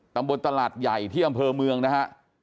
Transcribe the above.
ตำบลตลาดใหญ่ที่อำเภอเมืองนะฮะ